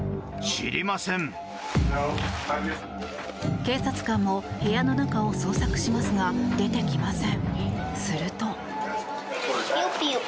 警察官も部屋の中を捜索しますが出てきません。